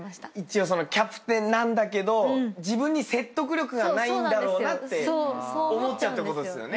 一応キャプテンなんだけど自分に説得力がないんだろうなって思っちゃうってことですよね。